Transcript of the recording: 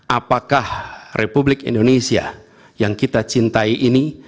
apakah republik indonesia yang kita cintai ini